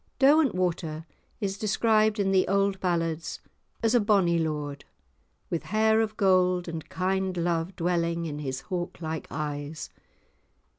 Derwentwater is described in the old ballads, as "a bonny lord," with hair of gold, and kind love dwelling in his hawk like eyes.